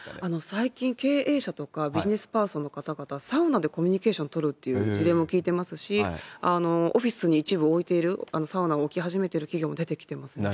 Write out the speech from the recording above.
最近、経営者とかビジネスパーソンの方々、サウナでコミュニケーション取るという事例も聞いてますし、オフィスに一部置いている、サウナを置き始めてる企業も出てきています。